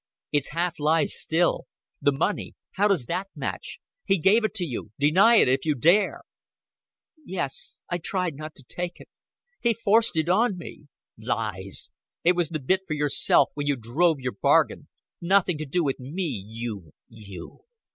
"It's half lies still. The money? How does that match? He gave it to you. Deny it if you dare." "Yes, I tried not to take it. He forced it on me." "Lies! It was the bit for yourself when you drove your bargain nothing to do with me you you.